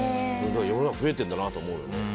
世の中、増えてるんだなって思うよね。